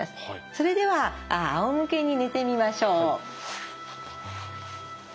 それではあおむけに寝てみましょう。